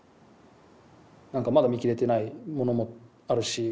なんかまだ見きれてないものもあるし。